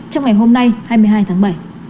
trong ngày hôm nay hai mươi hai tháng bảy